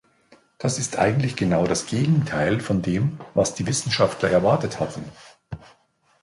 Das ist eigentlich genau das Gegenteil von dem, was die Wissenschaftler erwartet hatten.